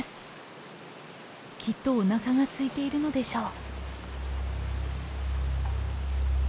きっとおなかがすいているのでしょう。